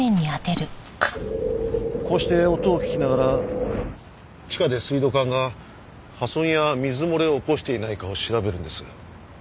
こうして音を聞きながら地下で水道管が破損や水漏れを起こしていないかを調べるんです。